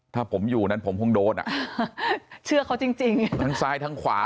ถ้าผมอยู่นั้นผมคงโดนอ่ะเชื่อเขาจริงจริงทั้งซ้ายทั้งขวา